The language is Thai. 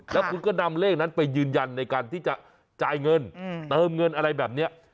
แล้วคุณก็นำเลขนั้นไปยืนยันในการที่จะจ่ายเงินเติมเงินอะไรแบบนี้